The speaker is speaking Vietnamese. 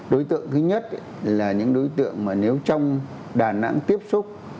đối tượng thứ nhất là những đối tượng mà nếu trong đà nẵng tiếp xúc